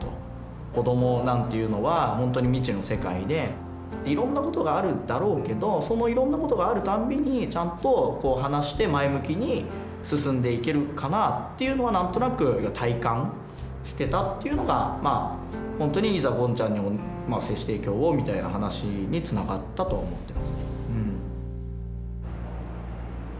子どもなんていうのは本当に未知の世界でいろんなことがあるだろうけどそのいろんなことがあるたんびにちゃんと話して前向きに進んでいけるかなっていうのは何となく体感してたっていうのが本当にいざゴンちゃんに精子提供をみたいな話につながったと思ってますね。